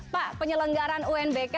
pak penyelenggaran unbk